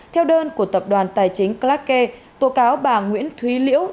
theo đơn của tập đoàn tài chính clark k tổ cáo bà nguyễn thúy liễu